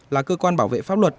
là cơ quan bảo vệ pháp luật